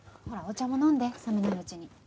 ほらお茶も飲んで冷めないうちに。